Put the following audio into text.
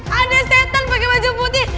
ada setan pakai baju putih